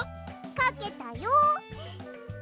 かけたよ！